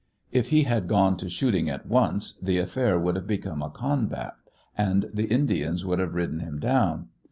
If he had gone to shooting at once, the affair would have become a combat, and the Indians would have ridden him down.